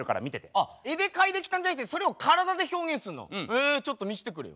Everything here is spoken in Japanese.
あ絵で描いてきたんじゃなくてそれを体で表現すんの？へちょっと見せてくれよ。